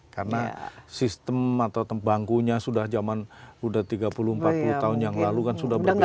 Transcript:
karena sistem atau bangkunya sudah zaman tiga puluh empat puluh tahun yang lalu kan sudah berbeda